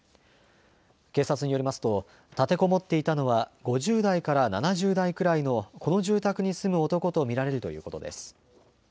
警察によりますと立てこもっていたのは５０代から７０代くらいのこの住宅に住む男と見られるということです。